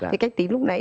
thì cách tính lúc nãy